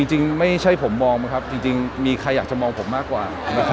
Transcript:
ตอนที่ผมมองผมครับจริงมีใครอยากจะมองผมมากกว่า